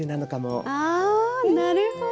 ああなるほど！